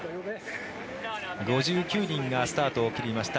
５９人がスタートを切りました